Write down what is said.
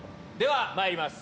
まいります！